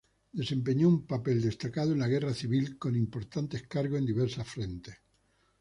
Desempeñó un papel destacado en la guerra civil, con importantes cargos en diversos frentes.